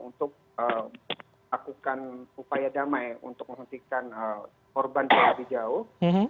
untuk lakukan upaya damai untuk menghentikan korban lebih jauh